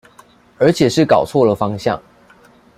而且是搞錯了方向